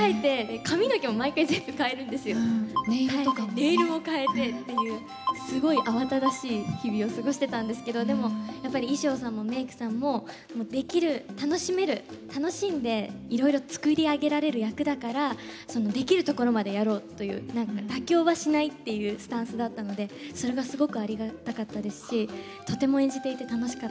ネイルも変えてっていうすごい慌ただしい日々を過ごしてたんですけどでもやっぱり衣装さんもメークさんもできる楽しめる楽しんでいろいろ作り上げられる役だからそのできるところまでやろうという何か妥協はしないっていうスタンスだったのでそれがすごくありがたかったですしとても演じていて楽しかったです。